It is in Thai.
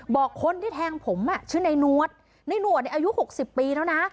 บอกคนที่แทงผมชื่อในนวดในหนวดเนี่ยอายุ๖๐ปีแล้วนะ